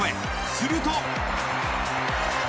すると。